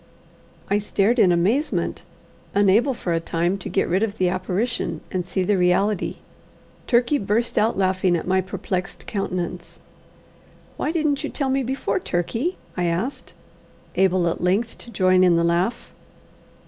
I stared in amazement, unable for a time to get rid of the apparition and see the reality. Turkey burst out laughing at my perplexed countenance. "Why didn't you tell me before, Turkey?" I asked, able at length to join in the laugh.